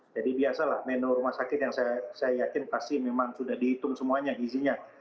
jadi biasalah menu rumah sakit yang saya yakin pasti memang sudah dihitung semuanya gizinya